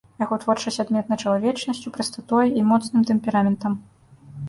Яго творчасць адметна чалавечнасцю, прастатой і моцным тэмпераментам.